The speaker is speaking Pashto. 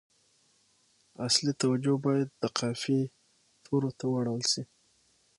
اصلي توجه باید د قافیې تورو ته واړول شي.